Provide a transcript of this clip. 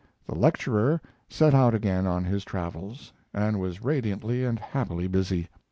The lecturer set out again on his travels, and was radiantly and happily busy.